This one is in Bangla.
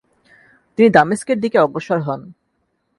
তিনি দামেস্কের দিকে অগ্রসর হন।